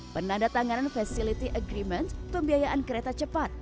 penandatanganan facility agreement pembiayaan kereta cepat